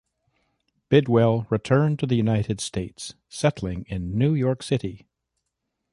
Bidwell returned to the United States, settling in New York City.